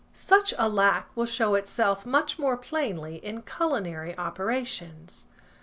Such a lack will show itself much more plainly in culinary operations.